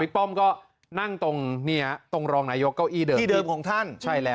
คุณบิ๊กป้อมก็นั่งตรงรองนายกก็อี่เดิมของท่าน